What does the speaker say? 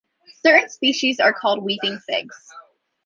Certain species are called weeping figs.